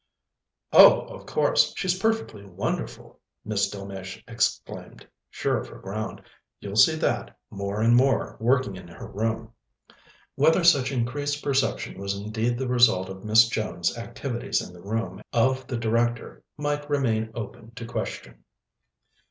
"Oh, of course she's perfectly wonderful," Miss Delmege exclaimed, sure of her ground. "You'll see that more and more, working in her room." Whether such increased perception was indeed the result of Miss Jones's activities in the room of the Director might remain open to question.